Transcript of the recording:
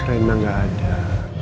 rena nggak ada